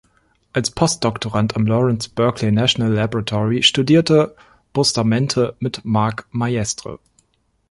Als Post-Doktorand am Lawrence Berkeley National Laboratory studierte Bustamante mit Marc Maestre.